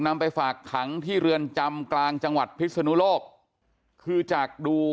ไปฝากขังที่เรือนจำกลางจังหวัดพิศนุโลกคือจากดู